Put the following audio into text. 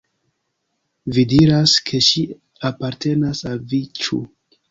Vi diras, ke ŝi apartenas al vi, ĉu!